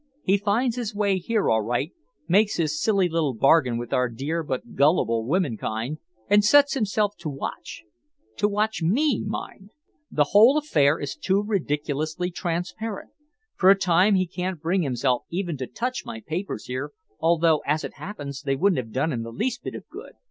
He finds his way here all right, makes his silly little bargain with our dear but gullible womenkind, and sets himself to watch to watch me, mind. The whole affair is too ridiculously transparent. For a time he can't bring himself even to touch my papers here, although, as it happens, they wouldn't have done him the least bit of good.